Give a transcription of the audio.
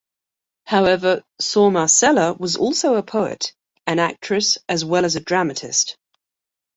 However, Sor Marcela was also a poet, an actress as well as a dramatist.